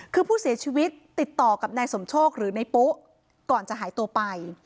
คือผู้เสียชีวิตติดต่อกับนายสมโชคหรือในปุ๊ก่อนจะหายตัวไป